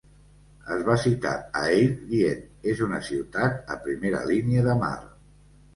Es va citar a Abe dient "És una ciutat a primera línia de mar".